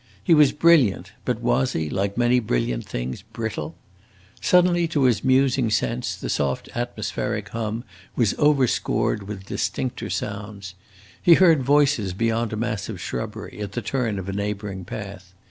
He was brilliant, but was he, like many brilliant things, brittle? Suddenly, to his musing sense, the soft atmospheric hum was overscored with distincter sounds. He heard voices beyond a mass of shrubbery, at the turn of a neighboring path.